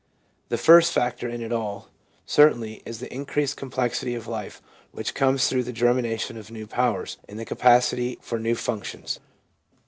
The first factor in it all, certainly, is the increased complexity of life which comes through the germina tion of new powers and the capacity for new functions.